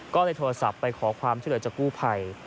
ก็เลยโทรศัพท์ไปขอความช่วยเหลือจากกู้ภัย